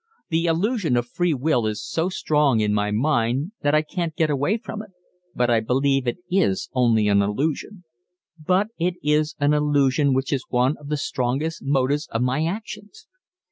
The illusion of free will is so strong in my mind that I can't get away from it, but I believe it is only an illusion. But it is an illusion which is one of the strongest motives of my actions.